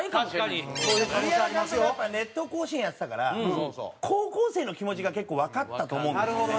栗山監督はやっぱり『熱闘甲子園』やってたから高校生の気持ちが結構わかったと思うんですよね。